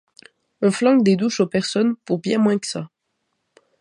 On flanque des douches aux personnes pour bien moins que ça.